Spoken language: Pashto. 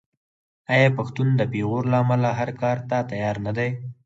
آیا پښتون د پېغور له امله هر کار ته تیار نه دی؟